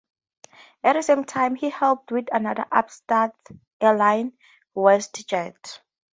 At the same time, he helped with another upstart airline, WestJet.